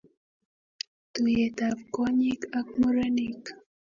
Tuiyet ab kwonyik ak murenik